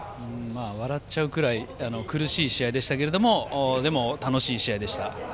笑っちゃうぐらい苦しい試合でしたけどでも、楽しい試合でした。